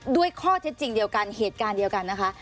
ด้วยข้อเท็จจริงเดียวกันเหตุการณ์เดียวกันนะคะ